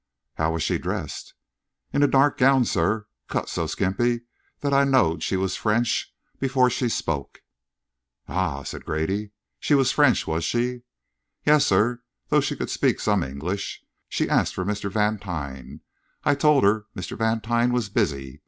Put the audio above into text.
"How was she dressed?" "In a dark gown, sir, cut so skimpy that I knowed she was French before she spoke." "Ah!" said Grady. "She was French, was she?" "Yes, sir; though she could speak some English. She asked for Mr. Vantine. I told her Mr. Vantine was busy.